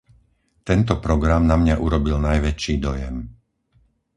Tento program na mňa urobil najväčší dojem.